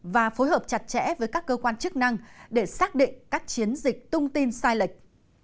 và phối hợp chặt chẽ với các cơ quan chức năng để xác định các chiến dịch tung tin sai lệch